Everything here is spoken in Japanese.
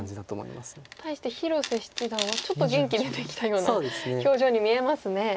対して広瀬七段はちょっと元気出てきたような表情に見えますね。